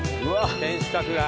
天守閣が。